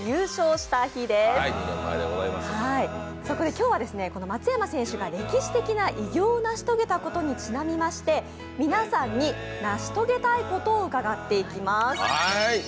今日はですね、松山選手が歴史的な偉業を成し遂げたことにちなみまして、皆さんに成し遂げたいことを伺っていきます。